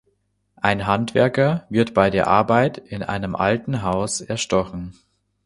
Ein Handwerker wird bei der Arbeit in einem alten Haus erstochen.